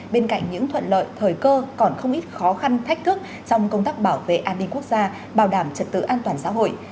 bên cạnh những thuận lợi thời cơ còn không ít khó khăn thách thức trong công tác bảo vệ an ninh quốc gia bảo đảm trật tự an toàn xã hội